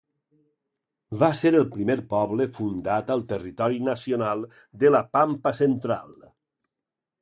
Va ser el primer poble fundat al Territori Nacional de la Pampa Central.